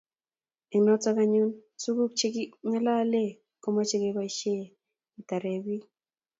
eng notok anyun tuguk che kingalale ko mache keboishe ketaret piik